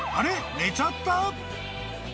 寝ちゃった？